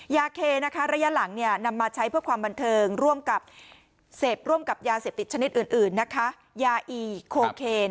ยาเคระยะหลังนำมาใช้เพื่อความบันเทิงเสพร่วมกับยาเสพติดชนิดอื่นยาอีโคเคน